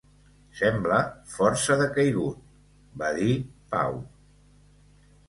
"Sembla força decaigut", va dir Pau.